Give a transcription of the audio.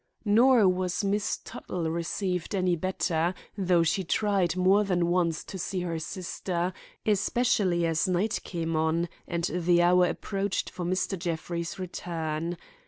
Nor was Miss Tuttle received any better, though she tried more than once to see her sister, especially as night came on and the hour approached for Mr. Jeffrey's return.